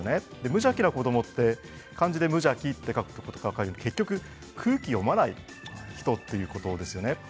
無邪気な子どもは漢字で無邪気と書くと分かるように空気を読まない人ということなんです。